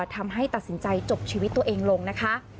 ทำให้ตัดสินใจจบชีวิตตัวเองลงนะคะ